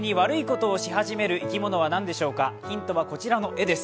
ヒントはこちらの絵です。